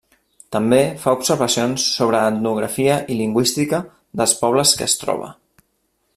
També fa observacions sobre etnografia i lingüística dels pobles que es troba.